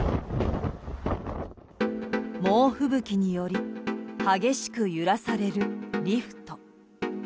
猛吹雪により激しく揺らされるリフト。